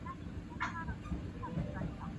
瑙吉鲍科瑙克。